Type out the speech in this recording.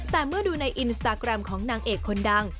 แต่เมื่อดูในอินสตาแกรมของนางเอกคนดัง